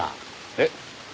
えっ？